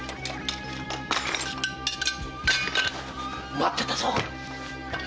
待ってたぞ！